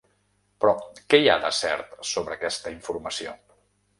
Però què hi ha de cert sobre aquesta informació?